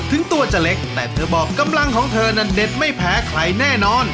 ถึงตัวจะเล็กแต่เธอบอกกำลังของเธอนั้นเด็ดไม่แพ้ใครแน่นอน